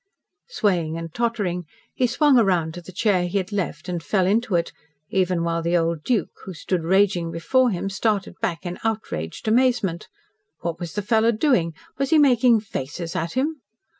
Swaying and tottering, he swung round to the chair he had left, and fell into it, even while the old Duke, who stood raging before him, started back in outraged amazement. What was the fellow doing? Was he making faces at him?